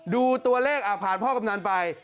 ดูตัวเลขผ่านพ่อกำนันไป